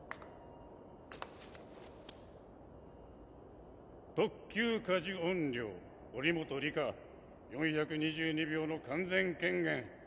ガチャ特級過呪怨霊祈本里香４２２秒の完全顕現